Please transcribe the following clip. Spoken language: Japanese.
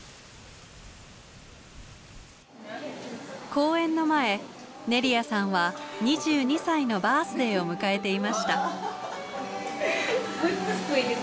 公演の前ネリアさんは２２歳のバースデーを迎えていました。